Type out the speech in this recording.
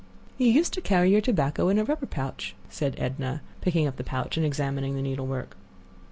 "You used to carry your tobacco in a rubber pouch," said Edna, picking up the pouch and examining the needlework.